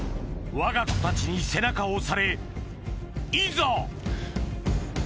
わが子たちに背中を押されいざ！